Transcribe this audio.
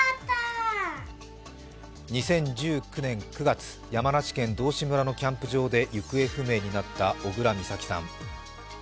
２０１９年９月、山梨県道志村のキャンプ場で行方不明になった小倉美咲さん。